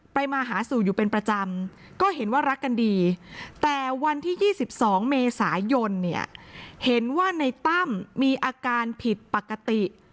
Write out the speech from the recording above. มาหาสู่อยู่เป็นประจำก็เห็นว่ารักกันดีแต่วันที่๒๒เมษายนเนี่ยเห็นว่าในตั้มมีอาการผิดปกติ